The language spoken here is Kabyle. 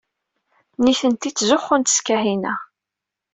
Nitenti ttzuxxunt s Kahina.